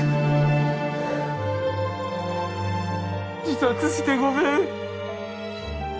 自殺してごめん。